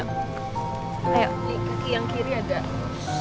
kaki yang kiri ada